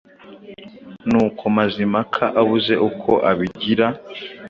Nuko Mazimpaka abuze uko abigira,